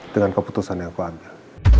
dengan keputusan yang aku ambil